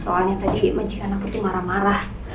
soalnya tadi majikan aku tuh marah marah